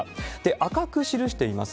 赤く記しています。